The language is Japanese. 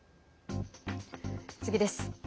次です。